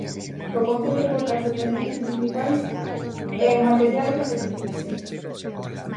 O Concello aporta as dependencias municipais e o material que se precise.